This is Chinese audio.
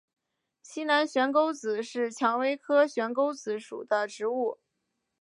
西南悬钩子是蔷薇科悬钩子属的植物。